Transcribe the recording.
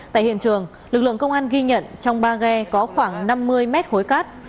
tại hiện trường lực lượng công an ghi nhận trong ba ghe có khoảng năm mươi mét khối cát